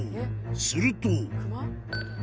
すると。